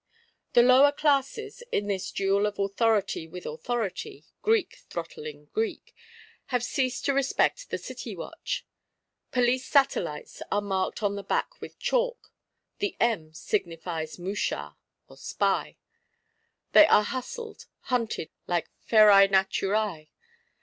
The lower classes, in this duel of Authority with Authority, Greek throttling Greek, have ceased to respect the City Watch: Police satellites are marked on the back with chalk (the M signifies mouchard, spy); they are hustled, hunted like feræ naturæ.